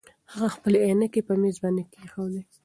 هغه خپلې عینکې په مېز باندې کېښودې.